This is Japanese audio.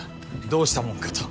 どうしたもんかと